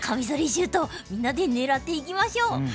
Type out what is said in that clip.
シュートみんなで狙っていきましょう。